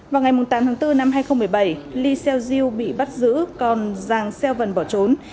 vào ngày tám tháng bốn năm hai nghìn một mươi bảy ly xeo diêu bị bắt giữ còn giàng xeo vân bỏ trốn